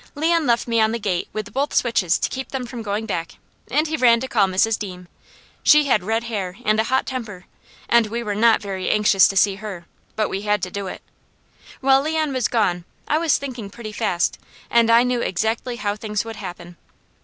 Leon left me on the gate with both switches to keep them from going back and he ran to call Mrs. Deam. She had red hair and a hot temper, and we were not very anxious to see her, but we had to do it. While Leon was gone I was thinking pretty fast and I knew exactly how things would happen.